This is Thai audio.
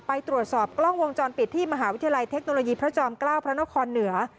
ไปตรวจสอบกล้องวงจรปิดที่มหาวิทยาลัยเทคโนโลยีพระจอมเกล้าพระนครเหนือ